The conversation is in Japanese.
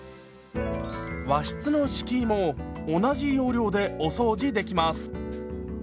和室の敷居も同じ要領でお掃除できます。